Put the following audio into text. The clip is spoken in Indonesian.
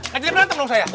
ngajari berantem dong saya